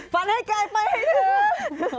ให้ไกลไปให้ถึง